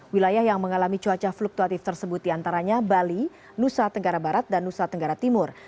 wilayah yang mengalami cuaca fluktuatif tersebut diantaranya bali nusa tenggara barat dan nusa tenggara timur